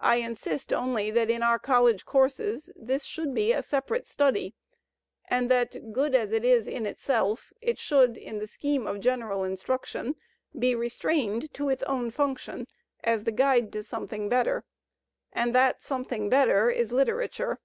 I insist only that in our college courses this should be a separate study, and that, good as it is in itself, it should, in the scheme of general instruction, be restrained to its own function as the guide to something better. And that something better is Litera ture.